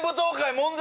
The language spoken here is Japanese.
問題！